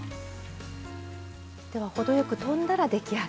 では程よくとんだら出来上がり。